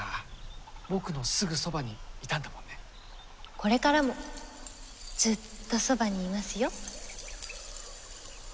これからもずっとそばにいますよ。